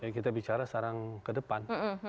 jadi kita bicara sekarang ke depan